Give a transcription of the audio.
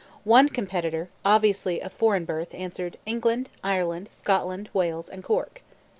One competitor, obviously of foreign birth, answered: "England, Ireland, Scotland, Wales, and Cork."